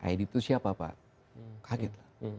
id itu siapa pak kaget lah